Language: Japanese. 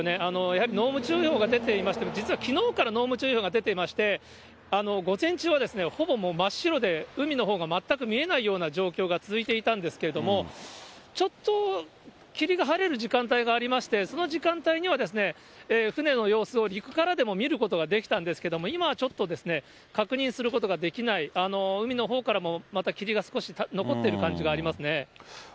やはり濃霧注意報が出ていまして、実はきのうから濃霧注意報が出てまして、午前中はほぼ真っ白で、海のほうが全く見えないような状況が続いていたんですけれども、ちょっと霧が晴れる時間帯がありまして、その時間帯には船の様子を陸からでも見ることができたんですけれども、今はちょっと、確認することができない、海のほうからも、また霧が少し残っている感じがありますね。